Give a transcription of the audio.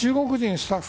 スタッフ